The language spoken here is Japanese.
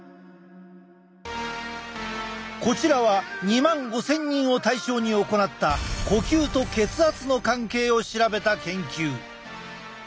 こちらは２万５，０００人を対象に行った呼吸と血圧の関係を調べた研究。